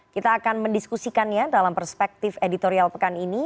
kita akan mendiskusikannya dalam perspektif editorial pekan ini